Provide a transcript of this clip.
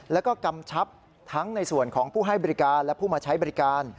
แล้วก็กำชับทั้งในส่วนของผู้ให้บริการและผู้มาใช้บริการ